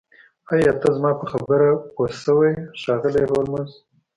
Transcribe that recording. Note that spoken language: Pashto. ایا ته زما په خبره پوه شوې ښاغلی هولمز